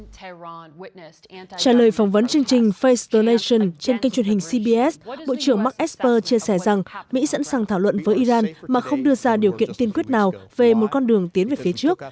trả lời phỏng vấn chương trình face the nation trên kênh truyền hình cbs bộ trưởng mark esper chia sẻ rằng mỹ sẵn sàng thảo luận với iran mà không đưa ra điều kiện tiên quyết nào về một con đường tiến về phía trước